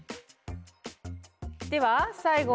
では最後。